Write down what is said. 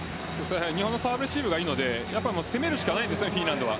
日本のサーブレシーブがいいので攻めるしかないんですよフィンランドは。